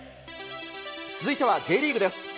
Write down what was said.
続いてはＪリーグです。